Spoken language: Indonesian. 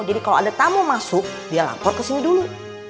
jadi kalau ada tamu masuk dia lapor ke sini dulu